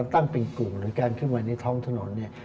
ตั้งเป็นกลุ่มหรือการขึ้นมาในท้องถนนเนี่ย